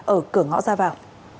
ở cửa ngõ ra vào